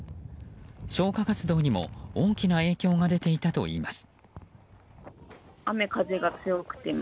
消火活動にも大きな影響が出ていたといいます。